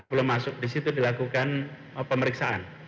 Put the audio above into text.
belum masuk di situ dilakukan pemeriksaan